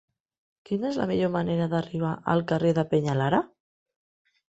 Quina és la millor manera d'arribar al carrer del Peñalara?